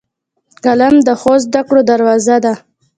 قلم د ښو زدهکړو دروازه ده